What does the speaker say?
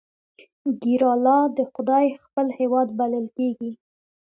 کیرالا د خدای خپل هیواد بلل کیږي.